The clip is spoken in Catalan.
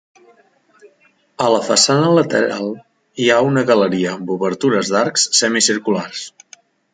A la façana lateral hi ha una galeria amb obertures d'arcs semicirculars.